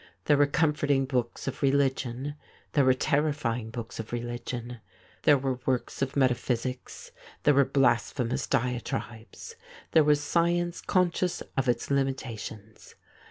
There were comforting books of religion ; there were terrifying books of religion ; there were works of metaphysics ; there were blasphemous diatribes ; there was science conscious of its limitations.